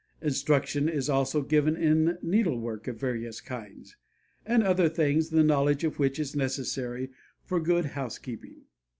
Instruction is also given in needlework of various kinds, and other things, the knowledge of which is necessary for good housekeeping.